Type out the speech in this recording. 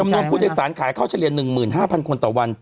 นวนผู้โดยสารขายเข้าเฉลี่ย๑๕๐๐คนต่อวัน